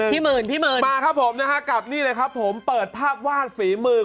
พี่เมินมาครับคับนี้นะครับเปิดภาพว่าฝีมือ